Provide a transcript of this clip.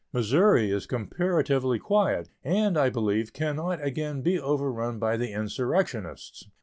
Missouri is comparatively quiet, and, I believe, can not again be overrun by the insurrectionists.